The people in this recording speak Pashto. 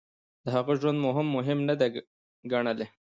د هغه ژوند مو هم مهم نه دی ګڼلی.